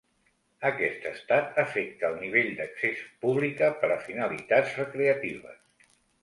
Aquest estat afecta el nivell d'accés pública per a finalitats recreatives.